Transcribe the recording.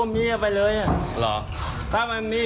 มันไปกัดไก่ตัวเมียไปเลย